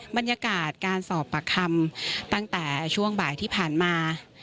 บรรยากาศการสอบปากคำตั้งแต่ช่วงบ่ายที่ผ่านมา